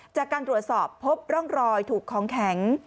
จากการตรวจสอบพบร่องรอยถูกของแข็ง